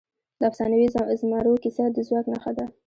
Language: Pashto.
د افسانوي زمرو کیسه د ځواک نښه ده.